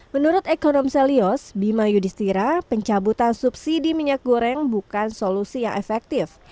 menurut ekonom celios bima yudhistira pencabutan subsidi minyak goreng bukan solusi yang efektif